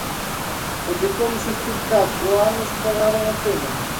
E que todos este catro anos pagaron a pena.